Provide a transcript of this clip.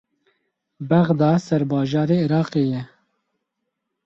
Bexda serbajarê Iraqê ye.